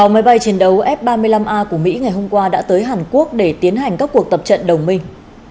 sáu máy bay chiến đấu f ba mươi năm a của mỹ ngày hôm qua đã tới hàn quốc để tiến hành các cuộc tập trận đồng minh